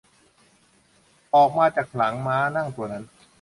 ออกมาจากหลังม้านั่งตัวนั้น